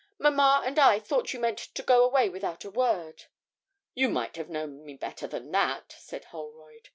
'Mamma and I thought you meant to go away without a word.' 'You might have known me better than that,' said Holroyd.